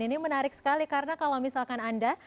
ini menarik sekali karena kalau misalkan anda